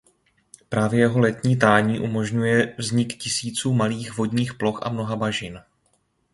Právě jeho letní tání umožňuje vznik tisíců malých vodních ploch a mnoha bažin.